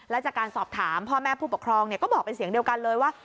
และจากการสอบถามพ่อแม่ผู้ปกครองก็บอกเป็นเสียงเดียวกันเลยว่า